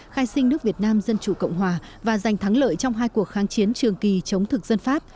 khai sinh nước việt nam dân chủ cộng hòa và giành thắng lợi trong hai cuộc kháng chiến trường kỳ chống thực dân pháp